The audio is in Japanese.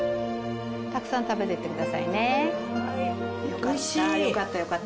たくさん食べてってくださいね。